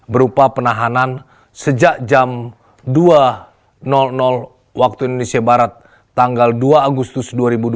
berupa penahanan sejak jam dua wib tanggal dua agustus dua ribu dua puluh tiga